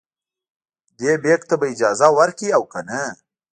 دې بیک ته به اجازه ورکړي او کنه.